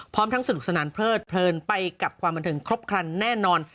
พร้อมทั้งสนุกสนานเพลิดเพลินไปกับความบันเทิงครบครันแน่นอน